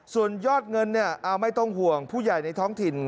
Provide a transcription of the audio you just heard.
ส่วนยอดเงินไม่ต้องห่วงผู้ใหญ่ในท้องถิ่น